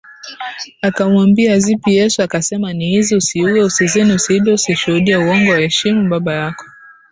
Akamwambia Zipi Yesu akasema Ni hizi Usiue Usizini Usiibe Usishuhudie uongo Waheshimu baba yako